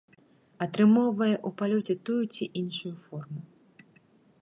Атрымоўвае у палёце тую ці іншую форму.